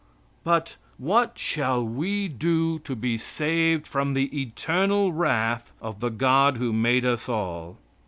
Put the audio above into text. But "What shall we do to be saved from the eternal wrath of the God who made us all?"